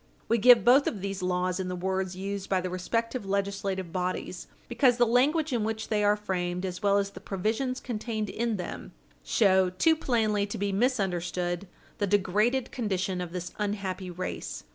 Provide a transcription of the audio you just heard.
We give both of these laws in the words used by the respective legislative bodies because the language in which they are framed, as well as the provisions contained in them, show, too plainly to be misunderstood the degraded condition of this unhappy race.